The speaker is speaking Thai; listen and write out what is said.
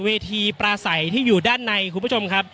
อย่างที่บอกไปว่าเรายังยึดในเรื่องของข้อ